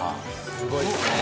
すごいですね。